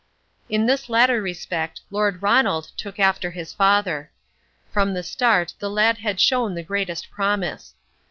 In this latter respect Lord Ronald took after his father. From the start the lad had shown the greatest promise.